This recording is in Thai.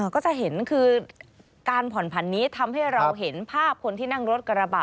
ก็จะเห็นคือการผ่อนผันนี้ทำให้เราเห็นภาพคนที่นั่งรถกระบะ